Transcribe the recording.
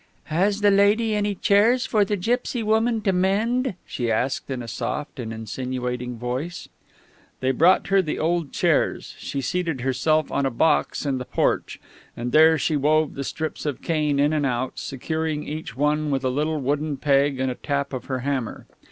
"Has the lady any chairs for the gipsy woman to mend?" she asked in a soft and insinuating voice.... They brought her the old chairs; she seated herself on a box in the porch; and there she wove the strips of cane in and out, securing each one with a little wooden peg and a tap of her hammer.